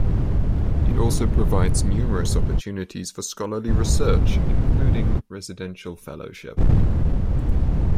It also provides numerous opportunities for scholarly research, including residential fellowships.